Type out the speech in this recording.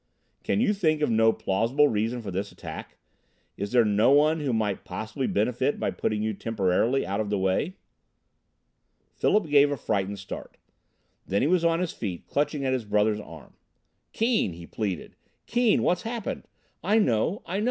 "Can you think of no plausible reason for this attack? Is there no one who might possibly benefit by putting you temporarily out of the way?" Philip gave a frightened start. Then he was on his feet, clutching at his brother's arm. "Keane!" he pleaded, "Keane! What's happened? I know, I know!